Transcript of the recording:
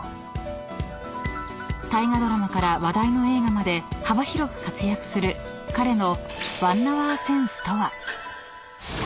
［大河ドラマから話題の映画まで幅広く活躍する彼の］